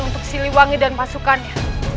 untuk siliwangi dan pasukannya